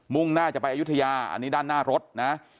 ่งหน้าจะไปอายุทยาอันนี้ด้านหน้ารถนะ